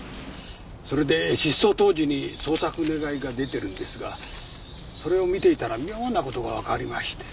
それで失踪当時に捜索願が出てるんですがそれを見ていたら妙なことが分かりましてね。